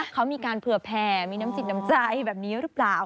เขามีการเผื่อแผ่มีน้ำจิตน้ำใจแบบนี้หรือเปล่า